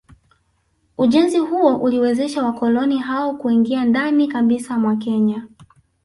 Ujenzi huo uliwezesha wakoloni hao kuingia ndani kabisa mwa Kenya